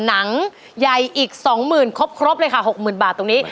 หนังใหญ่อีก๒๐๐๐ครบเลยค่ะ๖๐๐๐บาทตรงนี้